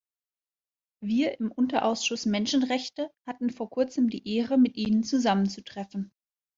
Wir im Unterausschuss Menschenrechte hatten vor kurzem die Ehre, mit ihnen zusammenzutreffen.